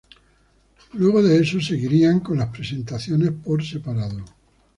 Luego de eso seguirían con las presentaciones por separado.